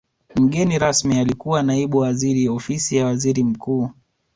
mgeni rasmi alikuwa naibu waziri ofisi ya waziri mkuu